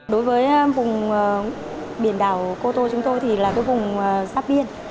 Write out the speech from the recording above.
đối với vùng biển đảo cô tô chúng tôi thì là cái vùng giáp biên